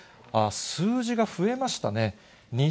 数字が増えましたね。